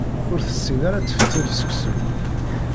Ur tessin ara ad teftel seksu.